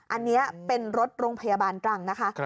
อันนี้เป็นรถโรงพยาบาลตรังนะคะ